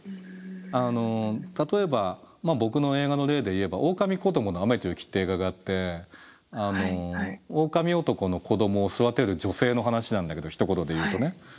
あの例えば僕の映画の例で言えば「おおかみこどもの雨と雪」って映画があっておおかみおとこの子どもを育てる女性の話なんだけどひと言で言うとね。